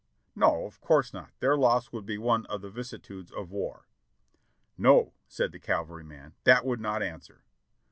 "No, of course not; their loss would be one of the vicissitudes of war." "No," said the cavalryman, "that would not answer."